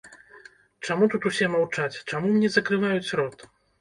Чаму тут усе маўчаць, чаму мне закрываюць рот?